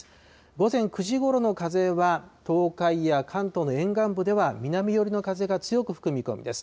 午前９時ごろの風は、東海や関東の沿岸部では南寄りの風が強く吹く見込みです。